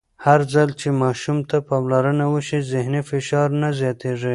هرځل چې ماشوم ته پاملرنه وشي، ذهني فشار نه زیاتېږي.